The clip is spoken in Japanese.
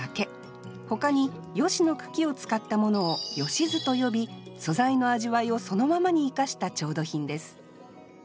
ほかに葦の茎を使ったものを葦簀と呼び素材の味わいをそのままに生かした調度品です